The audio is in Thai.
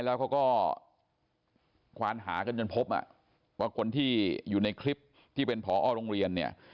ต่อมาคนที่อยู่ในคลิปที่เป็นปรโรงเรียน